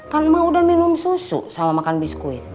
kan mau udah minum susu sama makan biskuit